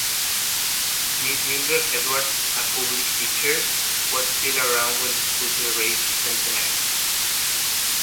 Miss Mildred Edwards, a pupil-teacher, was still around when the school celebrated its centenary.